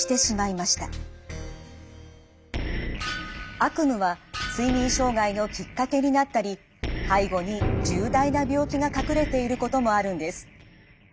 悪夢は睡眠障害のきっかけになったり背後に重大な病気が隠れていることもあるんです。